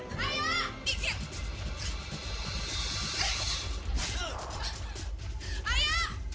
tapi tak percaya